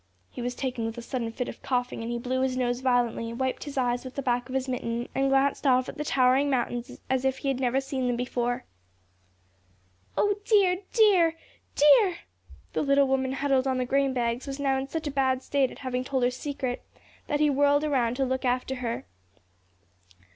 He was taken with a sudden fit of coughing and he blew his nose violently, wiped his eyes with the back of his mitten, and glanced off at the towering mountains as if he had never seen them before. "O dear, dear, dear!" The little woman huddled on the grain bags was now in such a bad state at having told her secret that he whirled around to look after her.